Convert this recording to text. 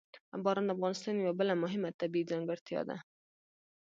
باران د افغانستان یوه بله مهمه طبیعي ځانګړتیا ده.